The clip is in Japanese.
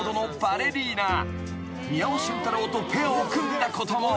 ［宮尾俊太郎とペアを組んだことも］